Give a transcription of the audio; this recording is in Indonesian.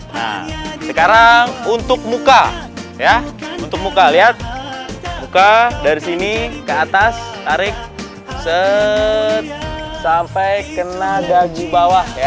nah sekarang untuk muka ya untuk muka lihat buka dari sini ke atas tarik set sampai kena daging bawah ya